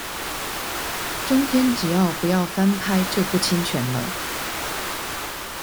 中天只要不要翻拍就不侵權了